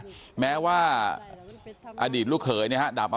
เพราะไม่เคยถามลูกสาวนะว่าไปทำธุรกิจแบบไหนอะไรยังไง